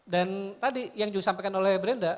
dan tadi yang juga sampaikan oleh brenda